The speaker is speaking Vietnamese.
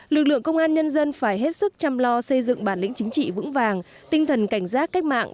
lực lượng công an nhân dân phải hết sức chăm lo xây dựng bản lĩnh chính trị vững vàng tinh thần cảnh giác cách mạng